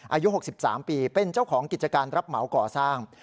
อายุ๖๓ปีเป็นเจ้าของกิจการรับเหมาก่อสร้าง